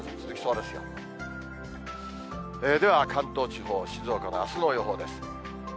では、関東地方、静岡のあすの予報です。